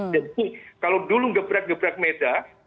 jadi kalau dulu gebrek gebrek meja